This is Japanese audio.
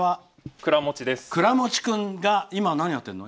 倉持君は何やってるの？